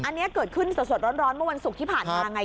อันนี้เกิดขึ้นสดร้อนเมื่อวันศุกร์ที่ผ่านมาไง